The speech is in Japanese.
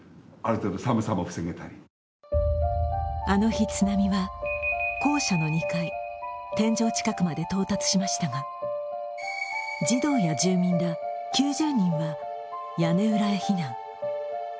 あの日、津波は校舎の２階、天井近くまで到達しましたが、児童や住民ら９０人は屋根裏へ避難。